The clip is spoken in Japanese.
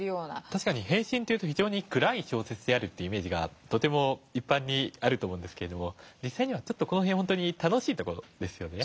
確かに「変身」というと非常に暗い小説であるというイメージが一般にあると思うんですけれども実際にはこの辺楽しいところですよね。